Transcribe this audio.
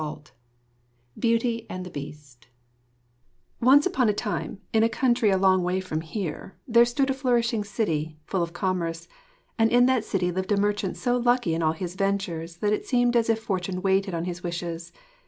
_ BEAUTY AND THE BEAST Once upon a time, in a country a long way from here, there stood a flourishing city, full of commerce; and in that city lived a merchant so lucky in all his ventures that it seemed as if fortune waited on his wishes.